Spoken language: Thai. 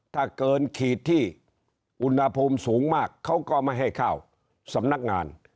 ถ้าเกินขีดที่อุณหภูมิสูงมากเขาก็ไม่ให้เข้าสำนักงาน